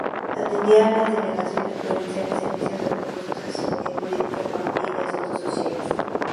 Atendía a las Delegaciones Provinciales, Servicio de Recursos, Asesoría Jurídica, Económica y Asuntos Sociales.